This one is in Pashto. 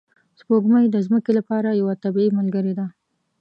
سپوږمۍ د ځمکې لپاره یوه طبیعي ملګرې ده